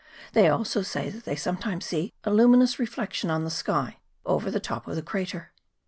They also say that they sometimes see a luminous reflection on the sky over the top of the crater.